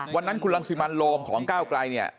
วันนั้นคุณรังสิมันโลมของก้าวไกลเนี่ย